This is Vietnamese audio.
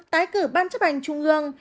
tái cử ban chấp hành trung ương